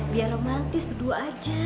biar romantis berdua aja